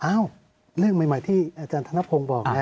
เรื่องใหม่ที่อาจารย์ธนพงศ์บอกนะ